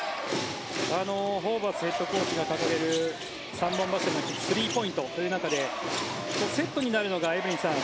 ホーバスヘッドコーチが掲げる三本柱のスリーポイントという中でセットになるのがエブリンさん